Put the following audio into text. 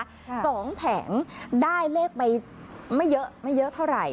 สองแผงได้เลขไปไม่เยอะเท่าไหร่